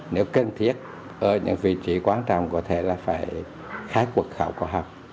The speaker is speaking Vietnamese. nếu cần thiết ở những vị trí quan trọng có thể là phải khai cuộc khảo cổ học